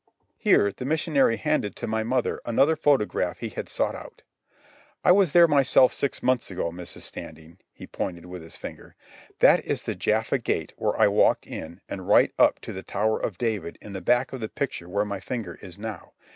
Here the missionary handed to my mother another photograph he had sought out. "I was there myself six months ago, Mrs. Standing." He pointed with his finger. "That is the Jaffa Gate where I walked in and right up to the Tower of David in the back of the picture where my finger is now.